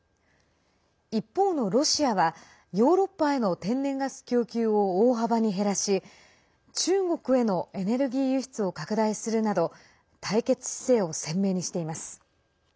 一方のロシアはヨーロッパへの天然ガス供給を大幅に減らし中国へのエネルギー輸出を拡大するなど対決姿勢を鮮明にしています。